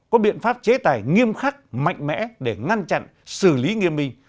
có biện pháp chế tài nghiêm khắc mạnh mẽ để ngăn chặn xử lý nghiêm minh